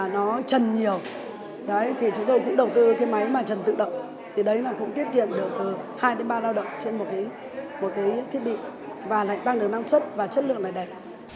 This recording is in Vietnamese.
nó trần nhiều đấy thì chúng tôi cũng đầu tư cái máy mà trần tự động thì đấy là cũng tiết kiệm được hai ba lao động trên một cái thiết bị và lại tăng được năng suất và chất lượng lại đẹp